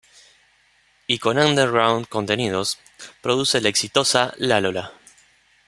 Y con Underground Contenidos, produce la exitosa Lalola.